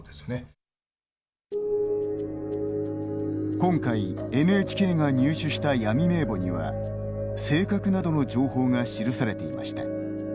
今回、ＮＨＫが入手した闇名簿には性格などの情報が記されていました。